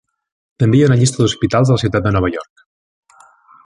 També hi ha una llista d'hospitals a la ciutat de Nueva York.